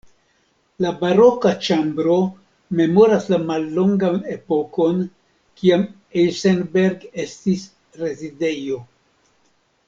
La Baroka ĉambro memoras la mallongan epokon kiam Eisenberg estis rezidejo.